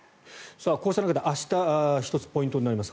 こうした中で明日、１つポイントになります